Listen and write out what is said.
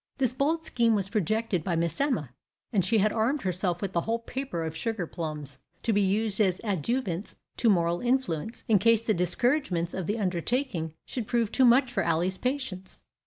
This bold scheme was projected by Miss Emma, and she had armed herself with a whole paper of sugar plums, to be used as adjuvants to moral influence, in case the discouragements of the undertaking should prove too much for Ally's patience.